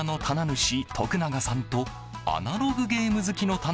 主徳永さんとアナログゲーム好きの棚